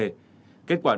kết quả đó là một lựa chọn